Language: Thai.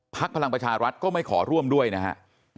พลังประชารัฐก็ไม่ขอร่วมด้วยนะฮะ